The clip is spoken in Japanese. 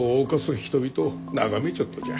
人々を眺めちょっとじゃ。